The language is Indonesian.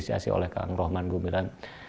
terima kasih oleh kang rohman gumilan